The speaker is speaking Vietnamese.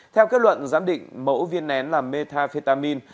theo kết luận giám định mẫu viên nén là metafetamin